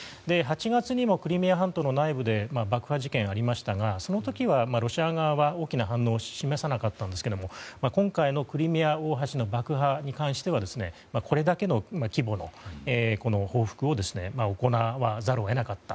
８月にもクリミア半島の南部で爆破事件がありましたがその時は、ロシア側は大きな反応を示さなかったんですが今回のクリミア大橋の爆破に関してはこれだけの規模の報復を行わざるを得なかった。